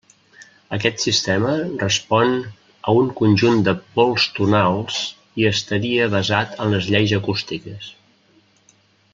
Aquest sistema respon a un conjunt de pols tonals i estaria basat en les lleis acústiques.